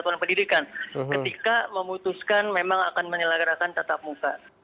dari satuan pendidikan ketika memutuskan memang akan menyelagarakan tatap muka